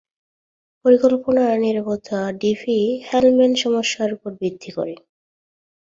পরিকল্পনার নিরাপত্তা ডিফি-হেলম্যান সমস্যার উপর ভিত্তি করে।